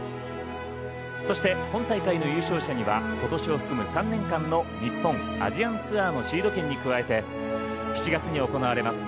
そして、本大会の優勝者には今年を含む３年間の日本・アジアンツアーのシード権に加えて７月に行われます